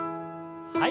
はい。